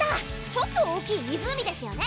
ちょっと大きい湖ですよね？